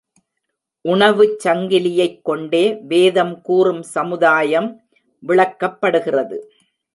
உணவுச் சங்கிலியைக் கொண்டே வேதம் கூறும் சமுதாயம் விளக்கப்படுகிறது.